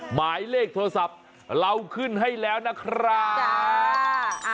หมายเลขโทรศัพท์เราขึ้นให้แล้วนะครับ